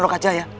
oh ini dia